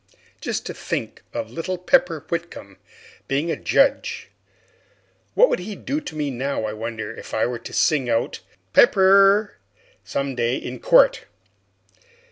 Just to think of little Pepper Whitcomb being a judge! What would he do to me now, I wonder, if I were to sing out "Pepper!" some day in court?